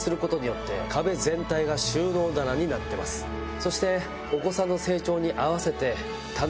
そして。